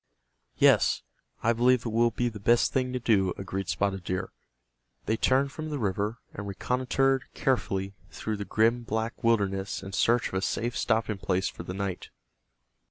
"Yes, I believe it will be the best thing to do," agreed Spotted Deer. They turned from the river, and reconnoitered carefully through the grim black wilderness in search of a safe stopping place for the night.